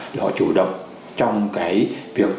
để họ chủ động trong cái việc